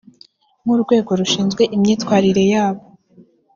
nk’urwego rushinzwe imyitwarire yabo